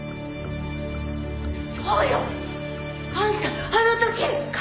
そうよ！あんたあの時。